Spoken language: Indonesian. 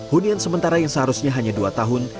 hunian sementara yang seharusnya hanya dua tahun